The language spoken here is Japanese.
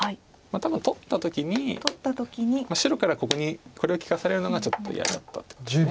多分取った時に白からここにこれを利かされるのがちょっと嫌だったってことです。